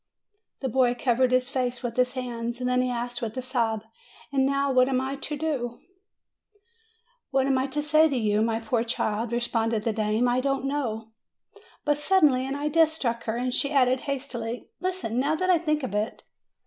The boy covered his face with his hands; then he asked with a sob, "And now what am I to do !" "What am I to say to you, my poor child?" re sponded the dame : "I don't know." But suddenly an idea struck her, and she added hastily : "Listen, now that I think of it.